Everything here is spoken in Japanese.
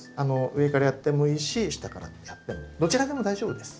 上からやってもいいし下からやってもどちらでも大丈夫です。